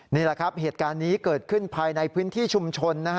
นี่แหละครับเหตุการณ์นี้เกิดขึ้นภายในพื้นที่ชุมชน